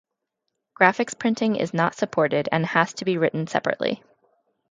Graphics printing is not supported and has to be written separately.